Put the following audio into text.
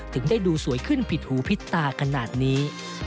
ถึงได้ดูสวยขึ้นผิดหูผิดตาขนาดนี้